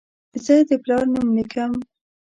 زه د پلار نوم لیکم.